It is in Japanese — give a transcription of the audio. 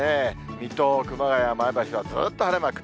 水戸、熊谷、前橋はずーっと晴れマーク。